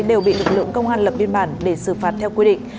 đều bị lực lượng công an lập biên bản để xử phạt theo quy định